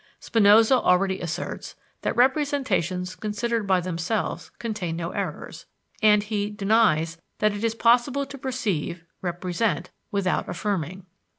Spinoza already asserts "that representations considered by themselves contain no errors," and he "denies that it is possible to perceive [represent] without affirming."